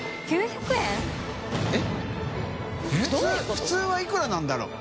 普通はいくらなんだろう？